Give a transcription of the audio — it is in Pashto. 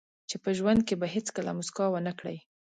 چې په ژوند کې به هیڅکله موسکا ونه کړئ.